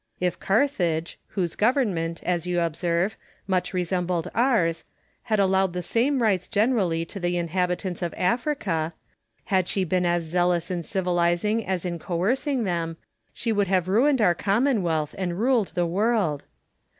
If Carthage, whose government (as you observe) much resembled ours, had allowed the same rights generally to the inhabitants of Africa ; had she been as zealous in civilising as in coercing them — she would have ruined our Commonwealth and ruled the world.